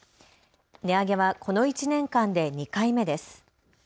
値上げはこの１年間で２回目です。